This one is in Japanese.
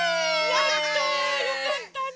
やったよかったね！